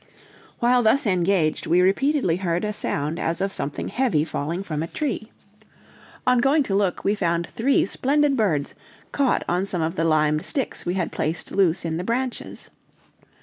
While thus engaged, we repeatedly heard a sound as of something heavy falling from a tree. On going to look, we found three splendid birds, caught on some of the limed sticks we had placed loose in the branches.